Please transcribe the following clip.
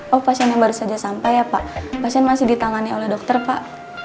oh pasien yang baru saja sampai ya pak pasien masih ditangani oleh dokter pak